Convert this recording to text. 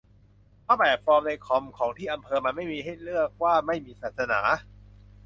เพราะแบบฟอร์มในคอมของที่อำเภอมันไม่มีให้เลือกว่าไม่มีศาสนา